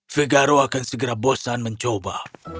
vegaro akan segera bosan mencoba